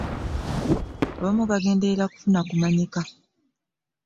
Abamu bagenderera kufuna kumanyika.